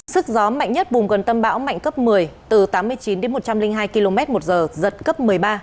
sức gió mạnh nhất vùng gần tâm bão mạnh cấp một mươi từ tám mươi chín đến một trăm linh hai km một giờ giật cấp một mươi ba